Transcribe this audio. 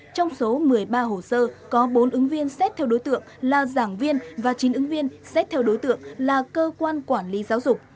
trong số một mươi ba hồ sơ có bốn ứng viên xét theo đối tượng là giảng viên và chín ứng viên xét theo đối tượng là cơ quan quản lý giáo dục